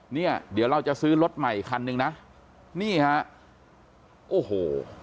เนี่ยเดี๋ยวเราจะซื้อรถใหม่คันหนึ่งนะนี่ฮะโอ้โห